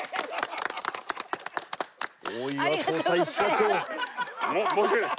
大岩捜査一課長。